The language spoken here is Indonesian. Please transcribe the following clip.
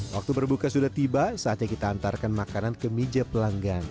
waktu berbuka sudah tiba saatnya kita antarkan makanan ke meja pelanggan